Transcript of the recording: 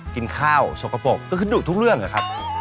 กินข้าวสกปรกก็คือดุทุกเรื่องอะครับ